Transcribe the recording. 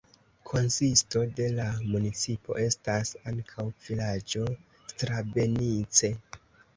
Konsisto de la municipo estas ankaŭ vilaĝo Strabenice.